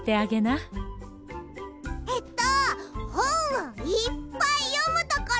えっとほんをいっぱいよむところ！